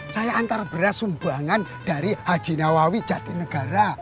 saya antar beras sumbangan dari haji nawawi jatinegara